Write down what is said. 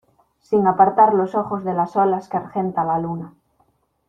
sin apartar los ojos de las olas que argenta la luna: